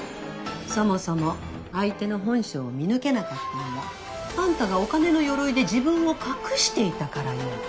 そもそも相手の本性を見抜けなかったのはあんたがお金のよろいで自分を隠していたからよ。